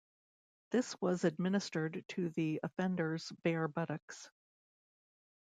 This was administered to the offender's bare buttocks.